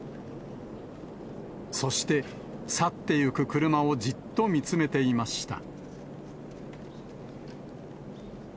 そして、去っていく車をじっと見つめていました。